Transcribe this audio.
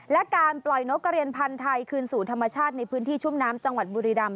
และการปล่อยนกกระเรียนพันธ์ไทยคืนสู่ธรรมชาติในพื้นที่ชุ่มน้ำจังหวัดบุรีรำ